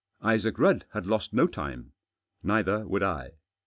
Isaac Rudd had lost no time. Neither would I.